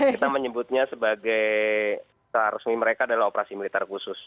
kita menyebutnya sebagai secara resmi mereka adalah operasi militer khusus